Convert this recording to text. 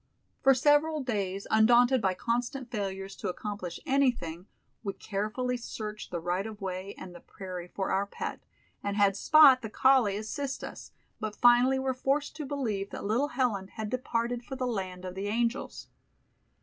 For several days, undaunted by constant failures to accomplish anything, we carefully searched the right of way and the prairie for our pet, and had Spot, the collie, assist us, but finally were forced to believe that little Helen had departed for the land of the Angels.